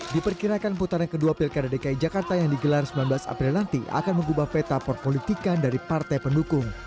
diperkirakan putaran kedua pilkada dki jakarta yang digelar sembilan belas april nanti akan mengubah peta perpolitikan dari partai pendukung